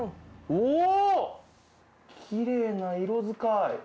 おーっ、きれいな色遣い。